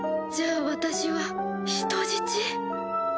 じゃあ私は人質？